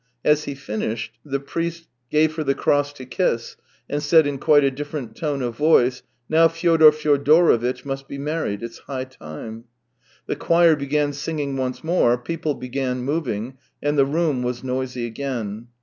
As he finished, the priest gave her the cross to kiss, and said in quite a^ different tone of voice: " Now Fyodor Fyodorovitch must be married; it's high time." The choir began singing once more, people began moving, and the room was noisy again.